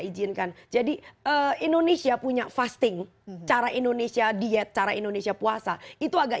ijinkan jadi indonesia punya fasting cara indonesia diet cara indonesia puasa itu agak